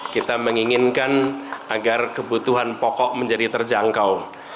kita menginginkan agar kebutuhan pokok menjadi terjangkau